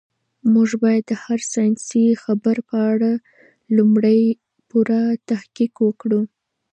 موږ باید د هر ساینسي خبر په اړه لومړی پوره تحقیق وکړو.